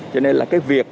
cho nên là cái việc